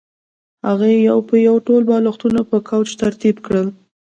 هغې یو په یو ټول بالښتونه په کوچ ترتیب کړل